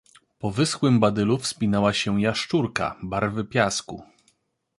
Po wyschłym badylu wspinała się jasz czurka, barwy piasku.